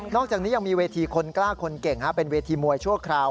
อกจากนี้ยังมีเวทีคนกล้าคนเก่งเป็นเวทีมวยชั่วคราว